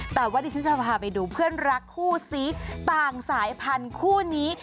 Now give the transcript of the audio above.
แต่ว่าดิฉันจะพาไปดูเพื่อนรักคู่ซีต่างสายพันธุ์คู่นี้